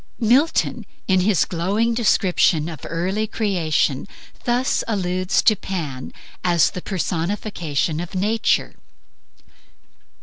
Milton in his glowing description of the early creation, thus alludes to Pan as the personification of Nature